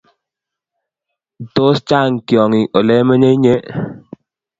Tos Chang tyongik olemenye iche?